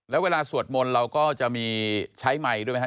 แล้วเวลาสวดมนต์เราก็จะมีใช้ไมค์ด้วยไหมครับ